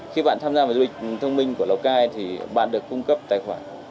khi bạn tham gia vào du lịch thông minh của lào cai thì bạn được cung cấp tài khoản